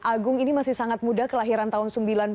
agung ini masih sangat muda kelahiran tahun sembilan puluh enam